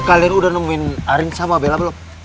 kalian udah nemuin arin sama bella belum